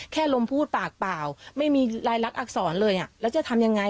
ลมพูดปากเปล่าไม่มีรายลักษรเลยแล้วจะทำยังไง